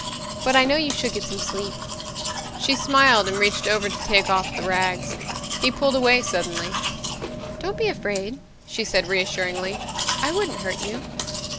But I know you should get some sleep." She smiled and reached over to take off the rags. He pulled away suddenly. "Don't be afraid," she said reassuringly. "I wouldn't hurt you."